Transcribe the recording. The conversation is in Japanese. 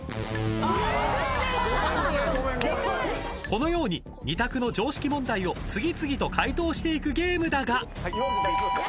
［このように２択の常識問題を次々と解答していくゲームだが］